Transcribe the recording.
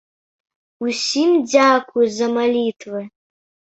Усім дзякуй за малітвы!